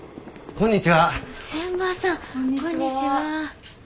こんにちは。